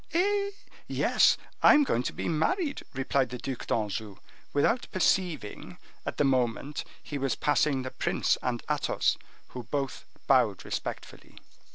"Eh! yes, I am going to be married," replied the Duc d'Anjou, without perceiving, at the moment, he was passing the prince and Athos, who both bowed respectfully.